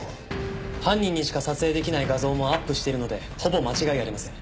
犯人にしか撮影できない画像もアップしているのでほぼ間違いありません。